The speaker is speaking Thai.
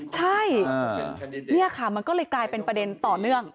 ใช่นี่ค่ะมันก็เลยกลายเป็นประเด็นต่อเนื่อง